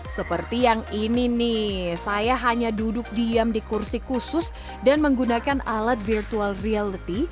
seperti yang ini nih saya hanya duduk diam di kursi khusus dan menggunakan alat virtual reality